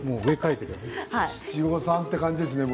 七五三という感じですね